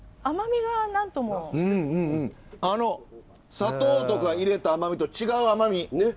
砂糖とか入れた甘みと違う甘み。